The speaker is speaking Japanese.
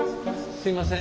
すいません。